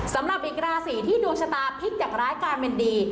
สำหรับอีกราศีที่ดวงชะตาพลิกจากร้ายกลายเป็นดี